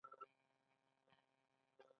د پنبې حاصل کله ټول کړم؟